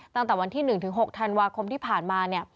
ตั้งแต่วันที่๑๖ธันวาคมที่ผ่านมา